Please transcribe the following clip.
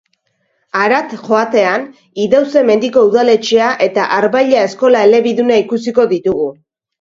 Harat joatean, Idauze-Mendiko udaletxea eta Arbailla eskola elebiduna ikusiko ditugu.